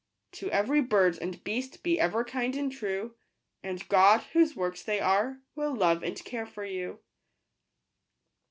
To every bird and beast be ever kind and true, And God, whose works they are, will love and care for you.